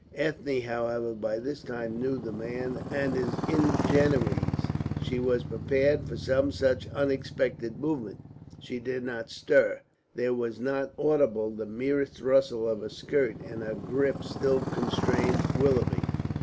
Ethne, however, by this time knew the man and his ingenuities; she was prepared for some such unexpected movement. She did not stir, there was not audible the merest rustle of her skirt, and her grip still constrained Willoughby.